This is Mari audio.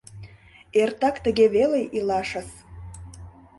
Эртак тыге веле илашыс.